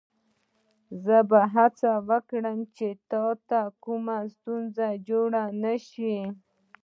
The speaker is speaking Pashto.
زه به هڅه وکړم چې تا ته کومه ستونزه جوړه نه شي.